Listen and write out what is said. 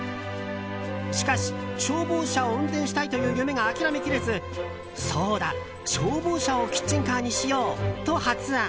しかし、消防車を運転したいという夢が諦め切れずそうだ、消防車をキッチンカーにしようと発案。